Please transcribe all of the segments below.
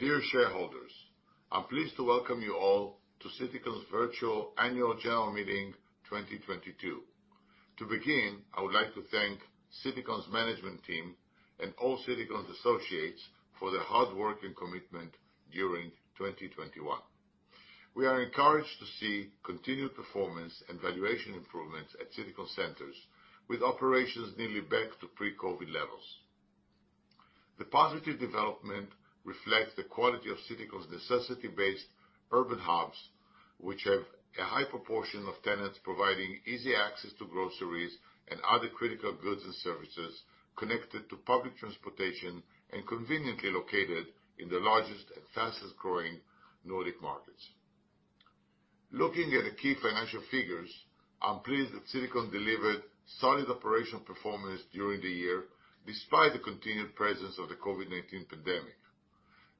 Dear shareholders, I'm pleased to welcome you all to Citycon's Virtual Annual General Meeting 2022. To begin, I would like to thank Citycon's management team and all Citycon's associates for their hard work and commitment during 2021. We are encouraged to see continued performance and valuation improvements at Citycon centers with operations nearly back to pre-COVID levels. The positive development reflects the quality of Citycon's necessity-based urban hubs, which have a high proportion of tenants providing easy access to groceries and other critical goods and services connected to public transportation and conveniently located in the largest and fastest-growing Nordic markets. Looking at the key financial figures, I'm pleased that Citycon delivered solid operational performance during the year, despite the continued presence of the COVID-19 pandemic.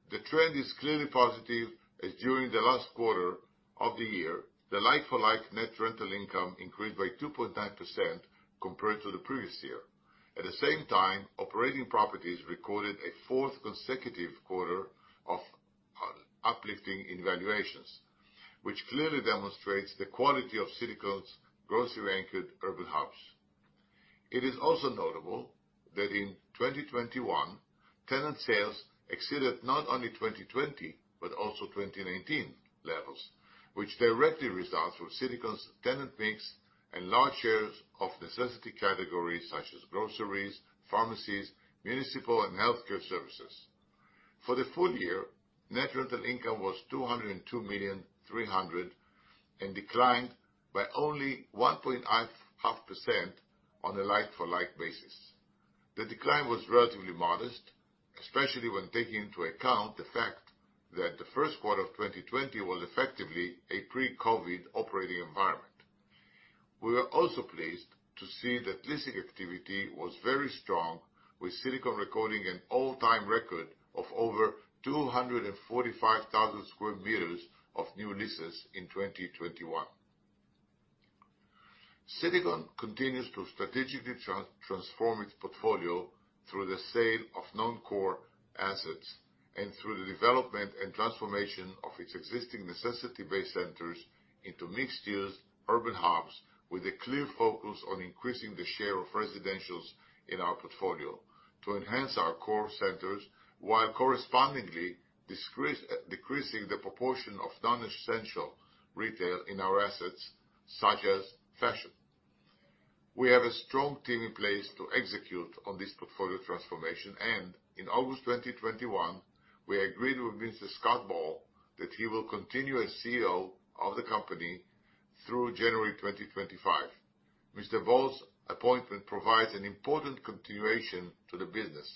The trend is clearly positive, as during the last quarter of the year, the like-for-like net rental income increased by 2.9% compared to the previous year. At the same time, operating properties recorded a fourth consecutive quarter of uplift in valuations, which clearly demonstrates the quality of Citycon's grocery-anchored urban hubs. It is also notable that in 2021, tenant sales exceeded not only 2020 but also 2019 levels, which directly results from Citycon's tenant mix and large shares of necessity categories such as groceries, pharmacies, municipal, and healthcare services. For the full year, net rental income was 202, 300, 000 and declined by only 1.5% on a like-for-like basis. The decline was relatively modest, especially when taking into account the fact that the first quarter of 2020 was effectively a pre-COVID operating environment. We were also pleased to see that leasing activity was very strong with Citycon recording an all-time record of over 245,000 sq m of new leases in 2021. Citycon continues to strategically transform its portfolio through the sale of non-core assets and through the development and transformation of its existing necessity-based centers into mixed-use urban hubs with a clear focus on increasing the share of residentials in our portfolio to enhance our core centers, while correspondingly decreasing the proportion of non-essential retail in our assets, such as fashion. We have a strong team in place to execute on this portfolio transformation, and in August 2021, we agreed with Mr. Scott Ball that he will continue as CEO of the company through January 2025. Mr. Ball's appointment provides an important continuation to the business.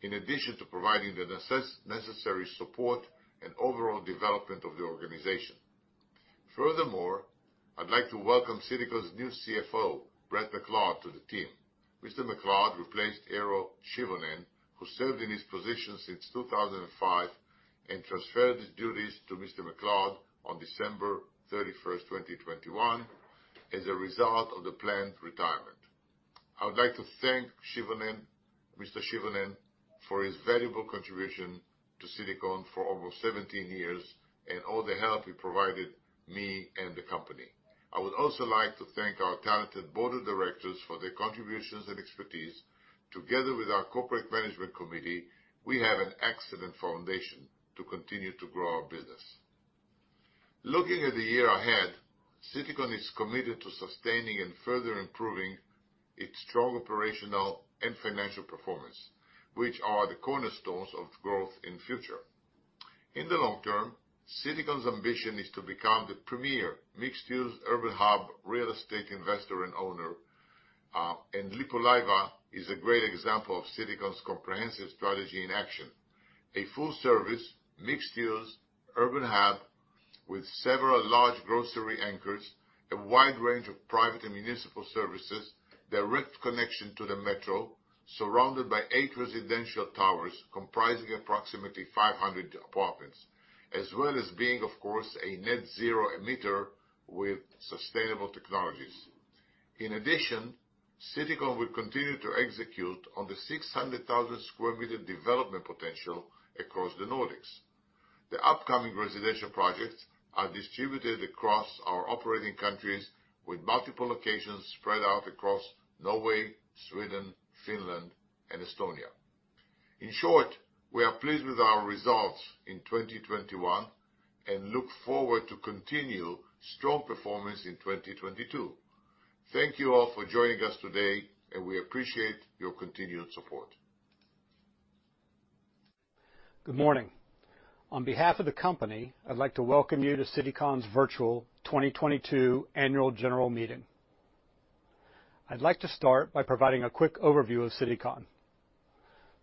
In addition to providing the necessary support and overall development of the organization. Furthermore, I'd like to welcome Citycon's new CFO, Bret McLeod, to the team. Mr. McLeod replaced Eero Sihvonen, who served in his position since 2005, and transferred his duties to Mr. McLeod on December 31st, 2021 as a result of the planned retirement. I would like to thank Sihvonen, Mr. Sihvonen for his valuable contribution to Citycon for over 17 years and all the help he provided me and the company. I would also like to thank our talented board of directors for their contributions and expertise. Together with our corporate management committee, we have an excellent foundation to continue to grow our business. Looking at the year ahead, Citycon is committed to sustaining and further improving its strong operational and financial performance, which are the cornerstones of growth in future. In the long term, Citycon's ambition is to become the premier mixed-use urban hub real estate investor and owner, and Lippulaiva is a great example of Citycon's comprehensive strategy in action. A full service, mixed-use urban hub with several large grocery anchors, a wide range of private and municipal services, direct connection to the metro, surrounded by eight residential towers comprising approximately 500 apartments, as well as being, of course, a net zero emitter with sustainable technologies. In addition, Citycon will continue to execute on the 600,000 sq m development potential across the Nordics. The upcoming residential projects are distributed across our operating countries with multiple locations spread out across Norway, Sweden, Finland, and Estonia. In short, we are pleased with our results in 2021 and look forward to continued strong performance in 2022. Thank you all for joining us today, and we appreciate your continued support. Good morning. On behalf of the company, I'd like to welcome you to Citycon's virtual 2022 annual general meeting. I'd like to start by providing a quick overview of Citycon.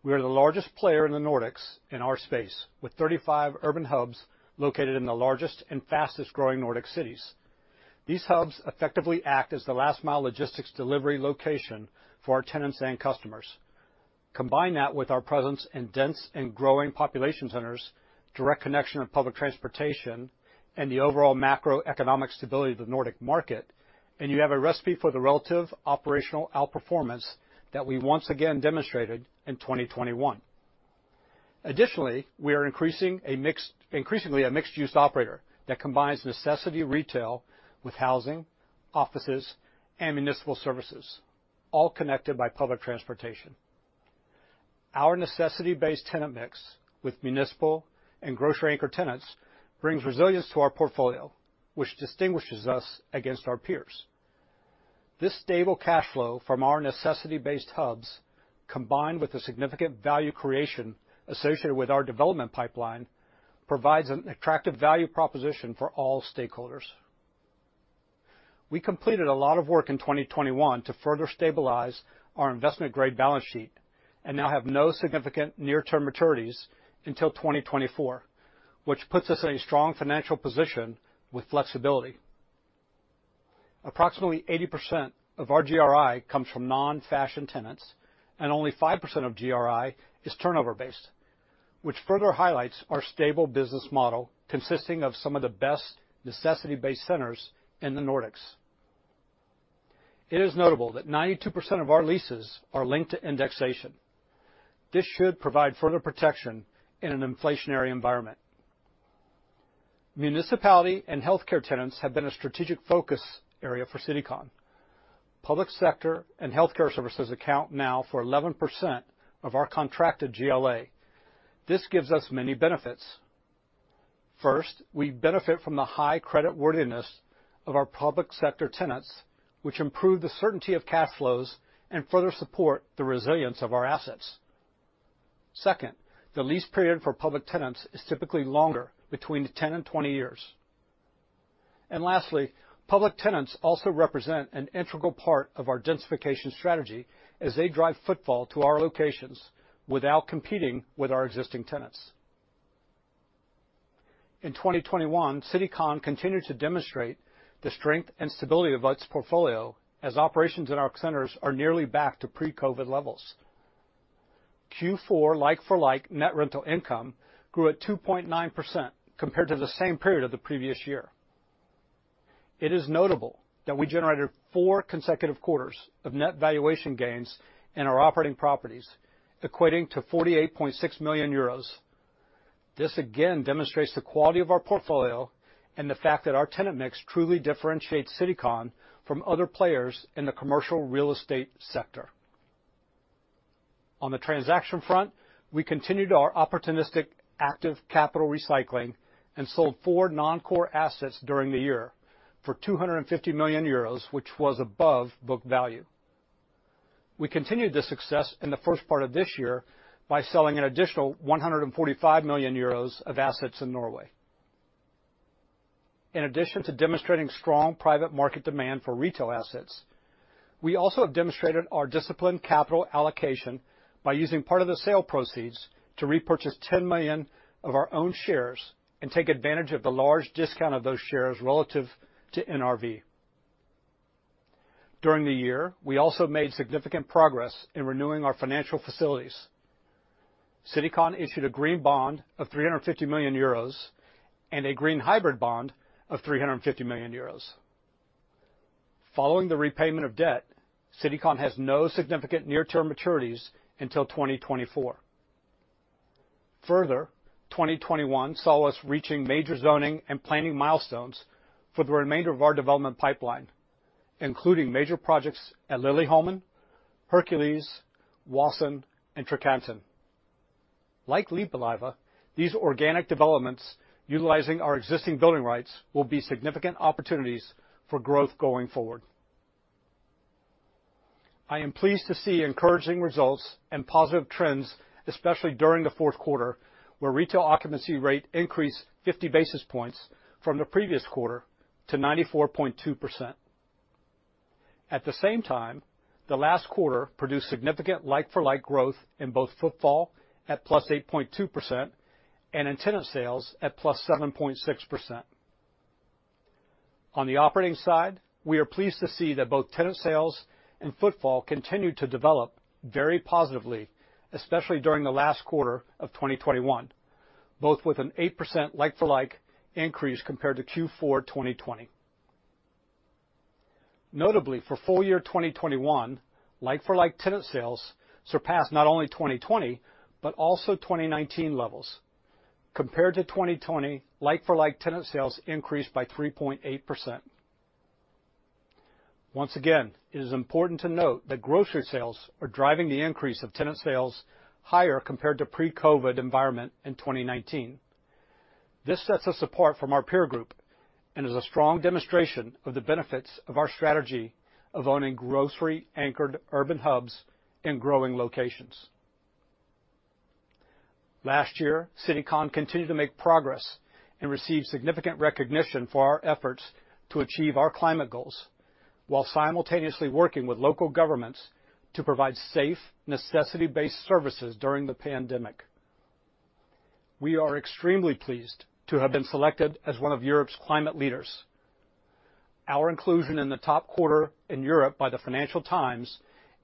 We are the largest player in the Nordics in our space, with 35 urban hubs located in the largest and fastest-growing Nordic cities. These hubs effectively act as the last-mile logistics delivery location for our tenants and customers. Combine that with our presence in dense and growing population centers, direct connection of public transportation, and the overall macroeconomic stability of the Nordic market, and you have a recipe for the relative operational outperformance that we once again demonstrated in 2021. Additionally, we are increasingly a mixed-use operator that combines necessity retail with housing, offices, and municipal services, all connected by public transportation. Our necessity-based tenant mix with municipal and grocery anchor tenants brings resilience to our portfolio, which distinguishes us against our peers. This stable cash flow from our necessity-based hubs, combined with the significant value creation associated with our development pipeline, provides an attractive value proposition for all stakeholders. We completed a lot of work in 2021 to further stabilize our investment grade balance sheet, and now have no significant near-term maturities until 2024, which puts us in a strong financial position with flexibility. Approximately 80% of our GRI comes from non-fashion tenants, and only 5% of GRI is turnover-based, which further highlights our stable business model consisting of some of the best necessity-based centers in the Nordics. It is notable that 92% of our leases are linked to indexation. This should provide further protection in an inflationary environment. Municipality and healthcare tenants have been a strategic focus area for Citycon. Public sector and healthcare services account now for 11% of our contracted GLA. This gives us many benefits. First, we benefit from the high creditworthiness of our public sector tenants, which improve the certainty of cash flows and further support the resilience of our assets. Second, the lease period for public tenants is typically longer between 10 and 20 years. Lastly, public tenants also represent an integral part of our densification strategy as they drive footfall to our locations without competing with our existing tenants. In 2021, Citycon continued to demonstrate the strength and stability of its portfolio as operations in our centers are nearly back to pre-COVID levels. Q4 like-for-like net rental income grew at 2.9% compared to the same period of the previous year. It is notable that we generated 4 consecutive quarters of net valuation gains in our operating properties, equating to 48.6 million euros. This again demonstrates the quality of our portfolio and the fact that our tenant mix truly differentiates Citycon from other players in the commercial real estate sector. On the transaction front, we continued our opportunistic active capital recycling and sold four non-core assets during the year for 250 million euros, which was above book value. We continued this success in the first part of this year by selling an additional 145 million euros of assets in Norway. In addition to demonstrating strong private market demand for retail assets, we also have demonstrated our disciplined capital allocation by using part of the sale proceeds to repurchase 10 million of our own shares and take advantage of the large discount of those shares relative to NRV. During the year, we also made significant progress in renewing our financial facilities. Citycon issued a green bond of 350 million euros and a green hybrid bond of 350 million euros. Following the repayment of debt, Citycon has no significant near-term maturities until 2024. Further, 2021 saw us reaching major zoning and planning milestones for the remainder of our development pipeline, including major projects at Liljeholmen, Herkules, Vallsten, and Trekanten. Like Lippulaiva, these organic developments utilizing our existing building rights will be significant opportunities for growth going forward. I am pleased to see encouraging results and positive trends, especially during the fourth quarter, where retail occupancy rate increased 50 basis points from the previous quarter to 94.2%. At the same time, the last quarter produced significant like-for-like growth in both footfall at +8.2% and in tenant sales at +7.6%. On the operating side, we are pleased to see that both tenant sales and footfall continued to develop very positively, especially during the last quarter of 2021, both with an 8% like-for-like increase compared to Q4 2020. Notably, for full year 2021, like-for-like tenant sales surpassed not only 2020, but also 2019 levels. Compared to 2020, like-for-like tenant sales increased by 3.8%. Once again, it is important to note that grocery sales are driving the increase of tenant sales higher compared to pre-COVID environment in 2019. This sets us apart from our peer group and is a strong demonstration of the benefits of our strategy of owning grocery-anchored urban hubs in growing locations. Last year, Citycon continued to make progress and received significant recognition for our efforts to achieve our climate goals while simultaneously working with local governments to provide safe, necessity-based services during the pandemic. We are extremely pleased to have been selected as one of Europe's climate leaders. Our inclusion in the top quarter in Europe by the Financial Times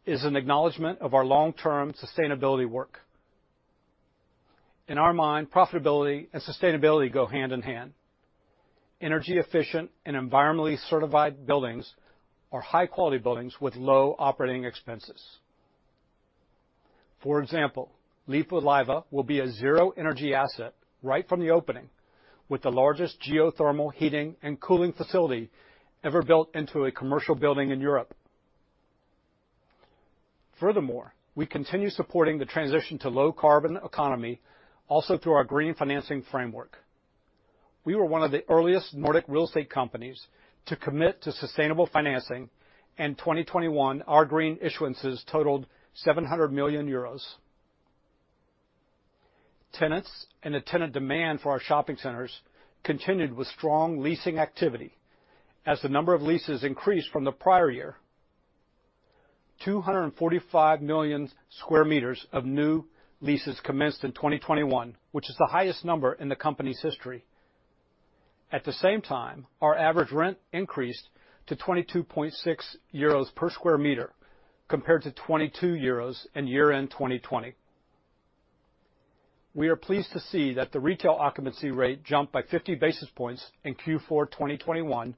is an acknowledgment of our long-term sustainability work. In our mind, profitability and sustainability go hand in hand. Energy-efficient and environmentally certified buildings are high quality buildings with low operating expenses. For example, Lippulaiva will be a zero energy asset right from the opening, with the largest geothermal heating and cooling facility ever built into a commercial building in Europe. Furthermore, we continue supporting the transition to low carbon economy also through our green financing framework. We were one of the earliest Nordic real estate companies to commit to sustainable financing. In 2021, our green issuances totaled 700 million euros. Tenants and the tenant demand for our shopping centers continued with strong leasing activity as the number of leases increased from the prior year. 245 million sq m of new leases commenced in 2021, which is the highest number in the company's history. At the same time, our average rent increased to 22.6 euros per sq m compared to 22 euros in year-end 2020. We are pleased to see that the retail occupancy rate jumped by 50 basis points in Q4 2021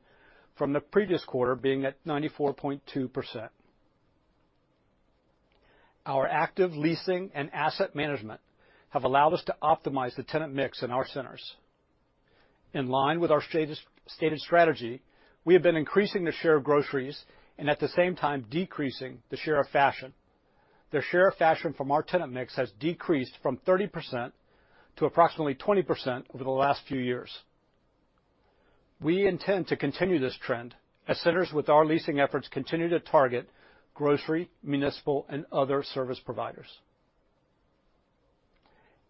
from the previous quarter being at 94.2%. Our active leasing and asset management have allowed us to optimize the tenant mix in our centers. In line with our stated strategy, we have been increasing the share of groceries and at the same time decreasing the share of fashion. The share of fashion from our tenant mix has decreased from 30% to approximately 20% over the last few years. We intend to continue this trend as centers with our leasing efforts continue to target grocery, municipal, and other service providers.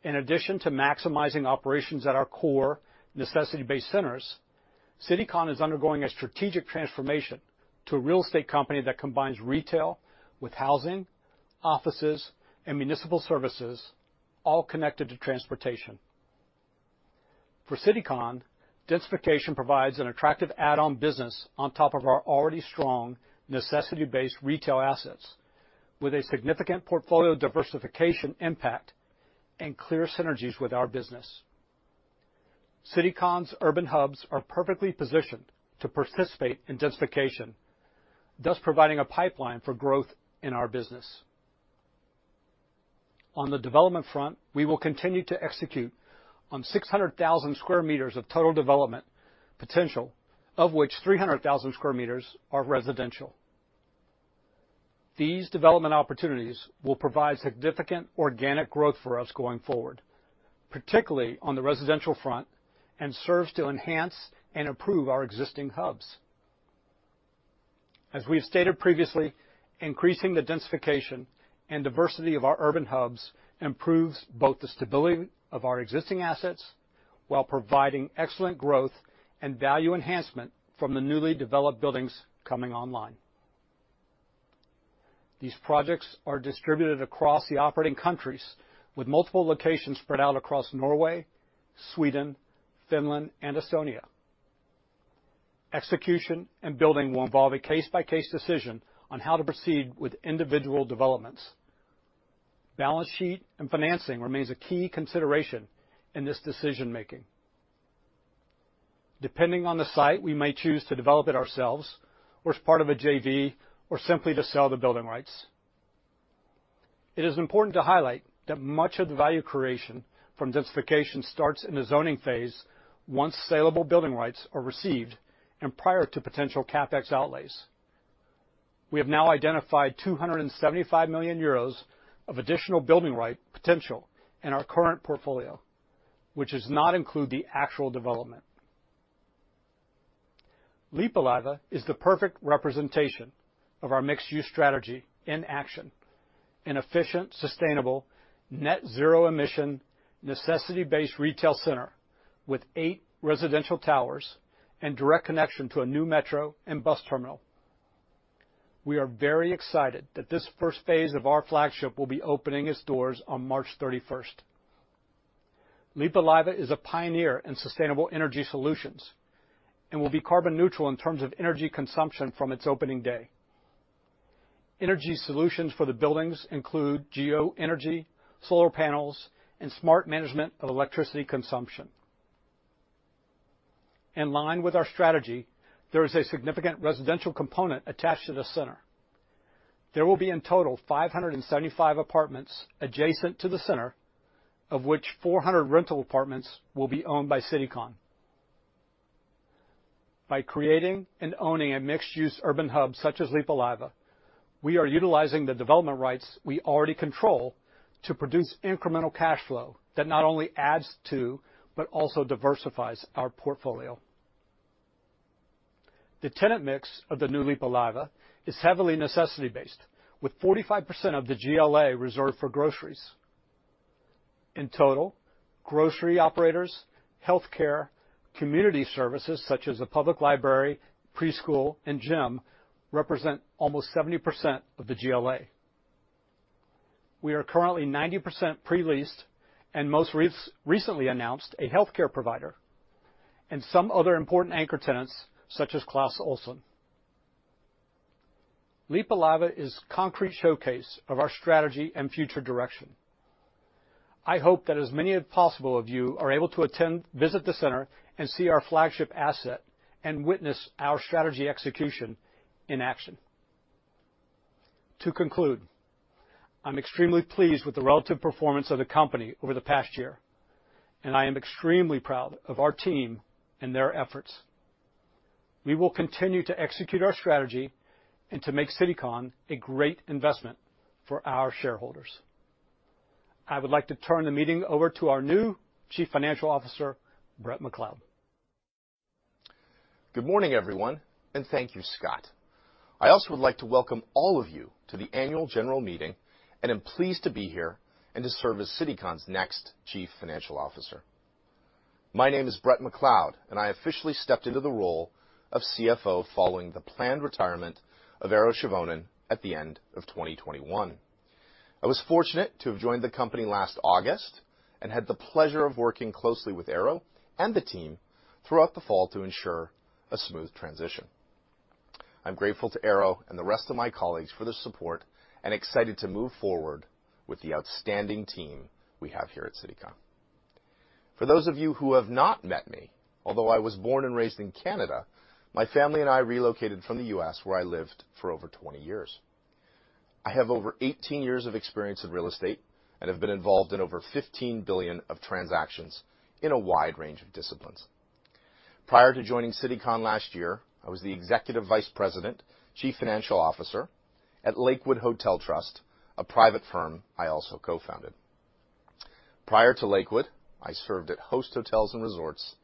In addition to maximizing operations at our core necessity-based centers, Citycon is undergoing a strategic transformation to a real estate company that combines retail with housing, offices, and municipal services all connected to transportation. For Citycon, densification provides an attractive add-on business on top of our already strong necessity-based retail assets with a significant portfolio diversification impact and clear synergies with our business. Citycon's urban hubs are perfectly positioned to participate in densification, thus providing a pipeline for growth in our business. On the development front, we will continue to execute on 600,000 sq m of total development potential, of which 300,000 sq m are residential. These development opportunities will provide significant organic growth for us going forward, particularly on the residential front, and serves to enhance and improve our existing hubs. As we've stated previously, increasing the densification and diversity of our urban hubs improves both the stability of our existing assets while providing excellent growth and value enhancement from the newly developed buildings coming online. These projects are distributed across the operating countries with multiple locations spread out across Norway, Sweden, Finland, and Estonia. Execution and building will involve a case-by-case decision on how to proceed with individual developments. Balance sheet and financing remains a key consideration in this decision-making. Depending on the site, we may choose to develop it ourselves, or as part of a JV, or simply to sell the building rights. It is important to highlight that much of the value creation from densification starts in the zoning phase once saleable building rights are received and prior to potential CapEx outlays. We have now identified 275 million euros of additional building right potential in our current portfolio, which does not include the actual development. Lippulaiva is the perfect representation of our mixed-use strategy in action, an efficient, sustainable, net zero emission, necessity-based retail center with eight residential towers and direct connection to a new metro and bus terminal. We are very excited that this first phase of our flagship will be opening its doors on March 31st. Lippulaiva is a pioneer in sustainable energy solutions and will be carbon neutral in terms of energy consumption from its opening day. Energy solutions for the buildings include geo-energy, solar panels, and smart management of electricity consumption. In line with our strategy, there is a significant residential component attached to the center. There will be in total 575 apartments adjacent to the center, of which 400 rental apartments will be owned by Citycon. By creating and owning a mixed-use urban hub such as Lippulaiva, we are utilizing the development rights we already control to produce incremental cash flow that not only adds to but also diversifies our portfolio. The tenant mix of the new Lippulaiva is heavily necessity-based, with 45% of the GLA reserved for groceries. In total, grocery operators, healthcare, community services such as a public library, preschool, and gym represent almost 70% of the GLA. We are currently 90% pre-leased and most recently announced a healthcare provider and some other important anchor tenants such as Clas Ohlson. Lippulaiva is a concrete showcase of our strategy and future direction. I hope that as many as possible of you are able to attend, visit the center, and see our flagship asset, and witness our strategy execution in action. To conclude, I'm extremely pleased with the relative performance of the company over the past year, and I am extremely proud of our team and their efforts. We will continue to execute our strategy and to make Citycon a great investment for our shareholders. I would like to turn the meeting over to our new Chief Financial Officer, Bret McLeod. Good morning, everyone, and thank you, Scott. I also would like to welcome all of you to the annual general meeting, and am pleased to be here and to serve as Citycon's next Chief Financial Officer. My name is Bret McLeod, and I officially stepped into the role of CFO following the planned retirement of Eero Sihvonen at the end of 2021. I was fortunate to have joined the company last August and had the pleasure of working closely with Eero and the team throughout the fall to ensure a smooth transition. I'm grateful to Eero and the rest of my colleagues for their support and excited to move forward with the outstanding team we have here at Citycon. For those of you who have not met me, although I was born and raised in Canada, my family and I relocated from the U.S. where I lived for over 20 years. I have over 18 years of experience in real estate and have been involved in over $15 billion of transactions in a wide range of disciplines. Prior to joining Citycon last year, I was the Executive Vice President, Chief Financial Officer at Lakewood Hotel Trust, a private firm I also co-founded. Prior to Lakewood, I served at Host Hotels & Resorts,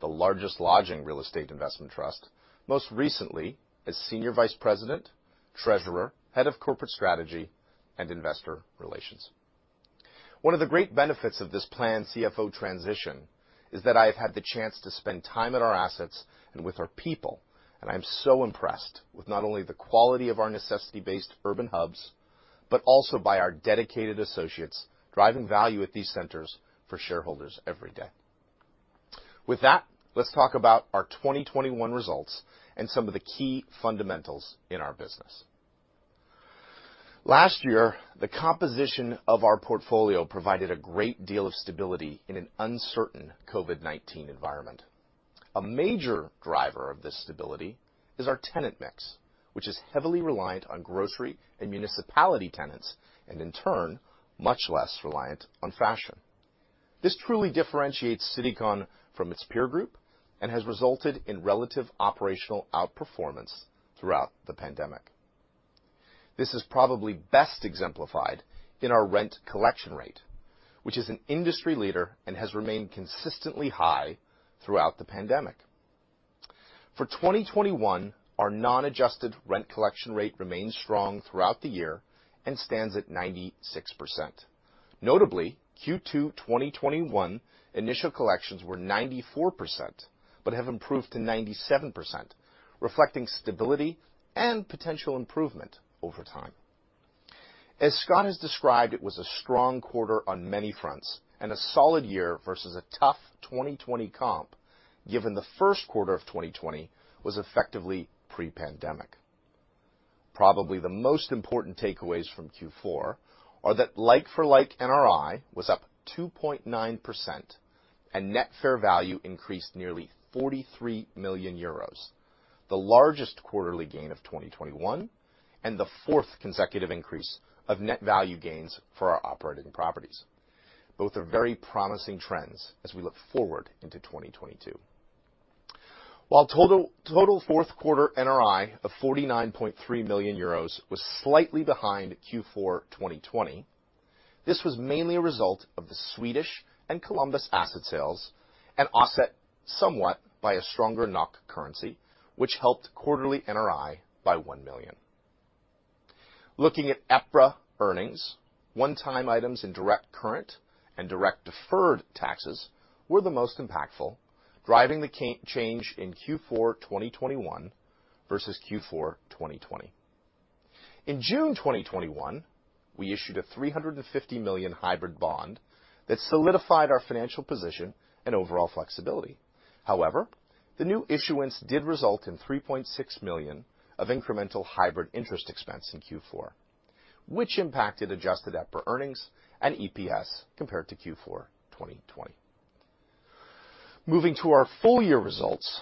the largest lodging real estate investment trust, most recently as Senior Vice President, Treasurer, Head of Corporate Strategy, and Investor Relations. One of the great benefits of this planned CFO transition is that I have had the chance to spend time at our assets and with our people, and I am so impressed with not only the quality of our necessity-based urban hubs, but also by our dedicated associates driving value at these centers for shareholders every day. With that, let's talk about our 2021 results and some of the key fundamentals in our business. Last year, the composition of our portfolio provided a great deal of stability in an uncertain COVID-19 environment. A major driver of this stability is our tenant mix, which is heavily reliant on grocery and municipality tenants, and in turn, much less reliant on fashion. This truly differentiates Citycon from its peer group and has resulted in relative operational outperformance throughout the pandemic. This is probably best exemplified in our rent collection rate, which is an industry leader and has remained consistently high throughout the pandemic. For 2021, our non-adjusted rent collection rate remained strong throughout the year and stands at 96%. Notably, Q2 2021 initial collections were 94%, but have improved to 97%, reflecting stability and potential improvement over time. As Scott has described, it was a strong quarter on many fronts and a solid year versus a tough 2020 comp, given the first quarter of 2020 was effectively pre-pandemic. Probably the most important takeaways from Q4 are that like-for-like NRI was up 2.9% and net fair value increased nearly 43 million euros, the largest quarterly gain of 2021 and the fourth consecutive increase of net value gains for our operating properties. Both are very promising trends as we look forward into 2022. While total fourth quarter NRI of 49.3 million euros was slightly behind Q4 2020, this was mainly a result of the Swedish and Columbus asset sales and offset somewhat by a stronger NOK currency, which helped quarterly NRI by 1 million. Looking at EPRA earnings, one-time items in direct current and direct deferred taxes were the most impactful, driving the change in Q4 2021 versus Q4 2020. In June 2021, we issued a 350 million hybrid bond that solidified our financial position and overall flexibility. However, the new issuance did result in 3.6 million of incremental hybrid interest expense in Q4, which impacted adjusted EPRA earnings and EPS compared to Q4 2020. Moving to our full-year results,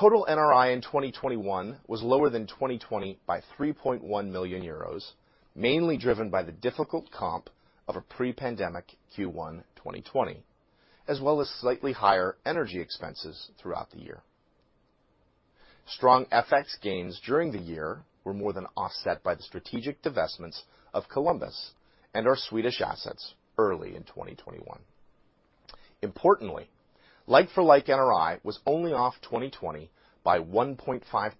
total NRI in 2021 was lower than 2020 by 3.1 million euros, mainly driven by the difficult comp of a pre-pandemic Q1 2020, as well as slightly higher energy expenses throughout the year. Strong FX gains during the year were more than offset by the strategic divestments of Columbus and our Swedish assets early in 2021. Importantly, like-for-like NRI was only off 2020 by 1.5%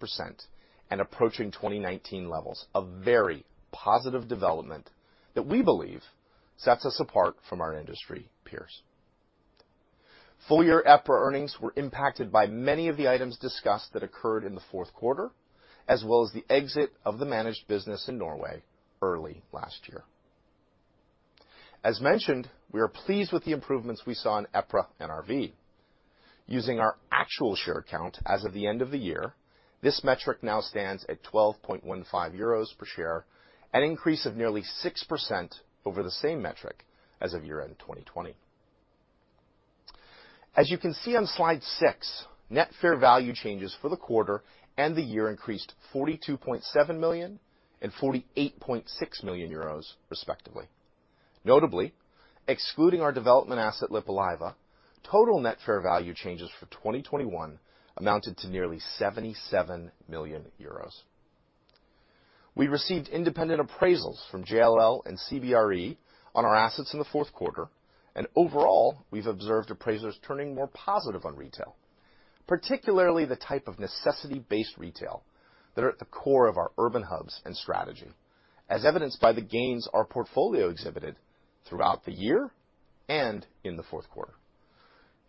and approaching 2019 levels, a very positive development that we believe sets us apart from our industry peers. Full-year EPRA earnings were impacted by many of the items discussed that occurred in the fourth quarter, as well as the exit of the managed business in Norway early last year. As mentioned, we are pleased with the improvements we saw in EPRA NRV. Using our actual share count as of the end of the year, this metric now stands at 12.15 euros per share, an increase of nearly 6% over the same metric as of year-end 2020. As you can see on slide six, net fair value changes for the quarter and the year increased 42.7 million and 48.6 million euros, respectively. Notably, excluding our development asset Lippulaiva, total net fair value changes for 2021 amounted to nearly 77 million euros. We received independent appraisals from JLL and CBRE on our assets in the fourth quarter, and overall, we've observed appraisers turning more positive on retail, particularly the type of necessity-based retail that are at the core of our urban hubs and strategy, as evidenced by the gains our portfolio exhibited throughout the year and in the fourth quarter.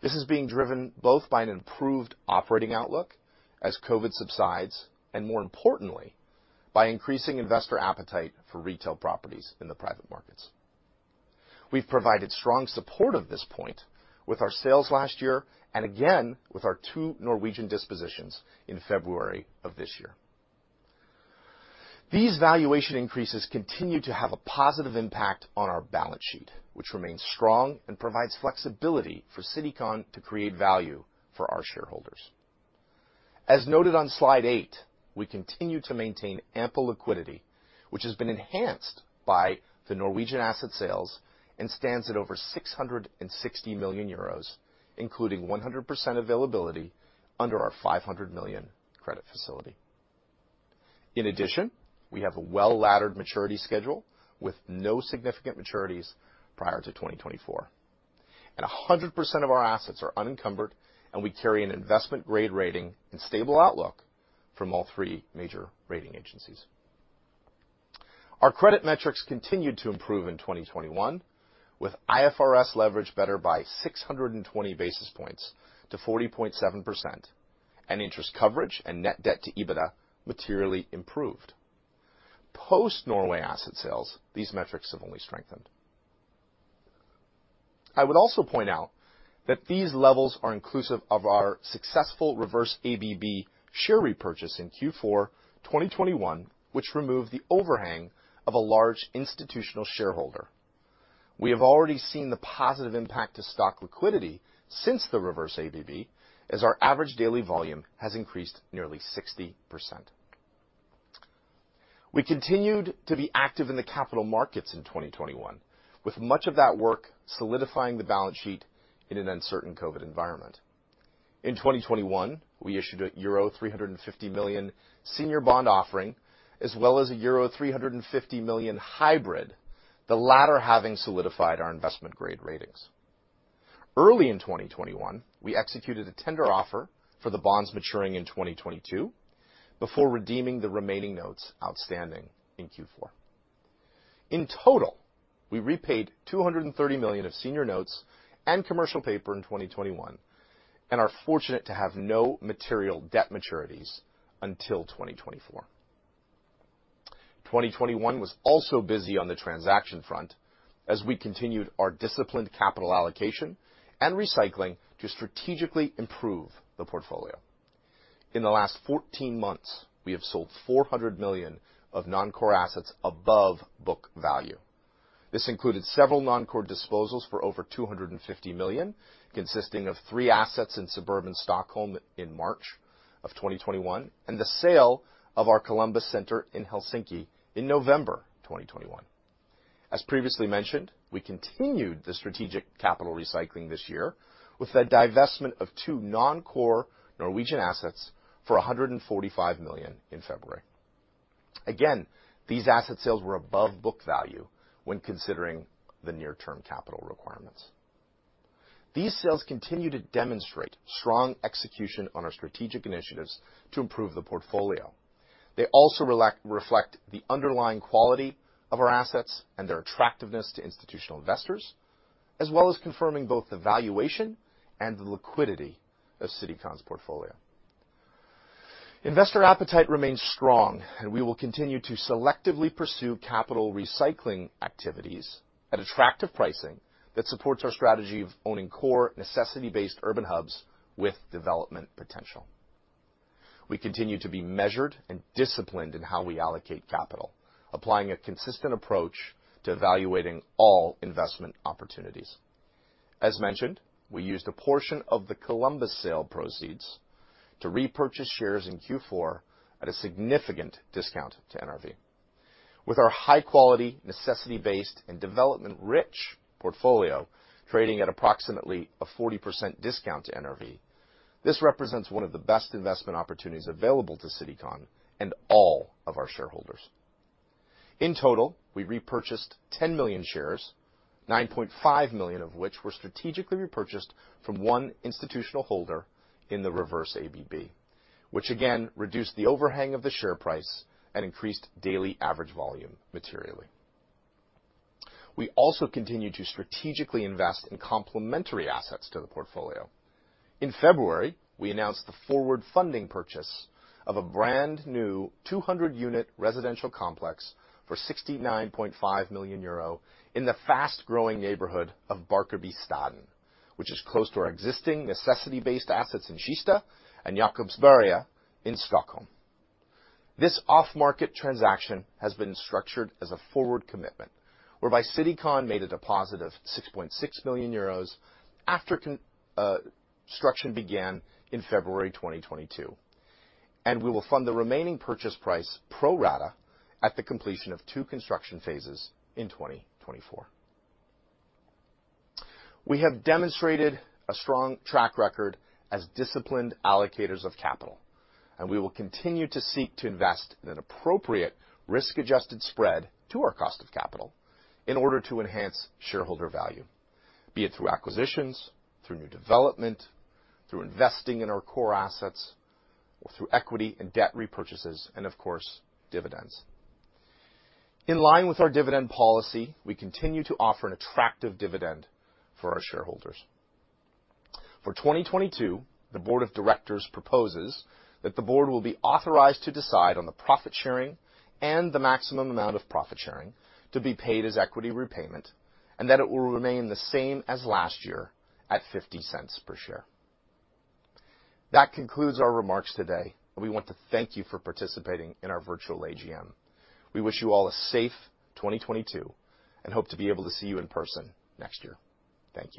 This is being driven both by an improved operating outlook as COVID subsides, and more importantly, by increasing investor appetite for retail properties in the private markets. We've provided strong support of this point with our sales last year and again with our two Norwegian dispositions in February of this year. These valuation increases continue to have a positive impact on our balance sheet, which remains strong and provides flexibility for Citycon to create value for our shareholders. As noted on slide eight, we continue to maintain ample liquidity, which has been enhanced by the Norwegian asset sales and stands at over 660 million euros, including 100% availability under our 500 million credit facility. In addition, we have a well-laddered maturity schedule with no significant maturities prior to 2024. 100% of our assets are unencumbered, and we carry an investment grade rating and stable outlook from all three major rating agencies. Our credit metrics continued to improve in 2021, with IFRS leverage better by 620 basis points to 40.7%, and interest coverage and net debt to EBITDA materially improved. Post-Norway asset sales, these metrics have only strengthened. I would also point out that these levels are inclusive of our successful reverse ABB share repurchase in Q4 2021, which removed the overhang of a large institutional shareholder. We have already seen the positive impact to stock liquidity since the reverse ABB, as our average daily volume has increased nearly 60%. We continued to be active in the capital markets in 2021, with much of that work solidifying the balance sheet in an uncertain COVID environment. In 2021, we issued a euro 350 million senior bond offering, as well as a euro 350 million hybrid, the latter having solidified our investment grade ratings. Early in 2021, we executed a tender offer for the bonds maturing in 2022 before redeeming the remaining notes outstanding in Q4. In total, we repaid 230 million of senior notes and commercial paper in 2021 and are fortunate to have no material debt maturities until 2024. 2021 was also busy on the transaction front as we continued our disciplined capital allocation and recycling to strategically improve the portfolio. In the last 14 months, we have sold 400 million of non-core assets above book value. This included several non-core disposals for over 250 million, consisting of three assets in suburban Stockholm in March 2021 and the sale of our Columbus Center in Helsinki in November 2021. As previously mentioned, we continued the strategic capital recycling this year with the divestment of two non-core Norwegian assets for 145 million in February. Again, these asset sales were above book value when considering the near-term capital requirements. These sales continue to demonstrate strong execution on our strategic initiatives to improve the portfolio. They also reflect the underlying quality of our assets and their attractiveness to institutional investors, as well as confirming both the valuation and the liquidity of Citycon's portfolio. Investor appetite remains strong, and we will continue to selectively pursue capital recycling activities at attractive pricing that supports our strategy of owning core necessity-based urban hubs with development potential. We continue to be measured and disciplined in how we allocate capital, applying a consistent approach to evaluating all investment opportunities. As mentioned, we used a portion of the Columbus sale proceeds to repurchase shares in Q4 at a significant discount to NRV. With our high quality, necessity-based, and development-rich portfolio trading at approximately a 40% discount to NRV, this represents one of the best investment opportunities available to Citycon and all of our shareholders. In total, we repurchased 10 million shares, 9.5 million of which were strategically repurchased from one institutional holder in the reverse ABB, which again reduced the overhang of the share price and increased daily average volume materially. We also continue to strategically invest in complementary assets to the portfolio. In February, we announced the forward funding purchase of a brand-new 200-unit residential complex for 69.5 million euro in the fast-growing neighborhood of Barkarbystaden, which is close to our existing necessity-based assets in Kista and Jakobsberg in Stockholm. This off-market transaction has been structured as a forward commitment whereby Citycon made a deposit of 6.6 million euros after construction began in February 2022, and we will fund the remaining purchase price pro rata at the completion of two construction phases in 2024. We have demonstrated a strong track record as disciplined allocators of capital, and we will continue to seek to invest in an appropriate risk-adjusted spread to our cost of capital in order to enhance shareholder value, be it through acquisitions, through new development, through investing in our core assets or through equity and debt repurchases and, of course, dividends. In line with our dividend policy, we continue to offer an attractive dividend for our shareholders. For 2022, the board of directors proposes that the board will be authorized to decide on the profit sharing and the maximum amount of profit sharing to be paid as equity repayment and that it will remain the same as last year at 0.50 per share. That concludes our remarks today. We want to thank you for participating in our virtual AGM. We wish you all a safe 2022 and hope to be able to see you in person next year. Thank you.